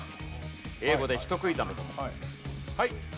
英語で「人食いザメ」とも。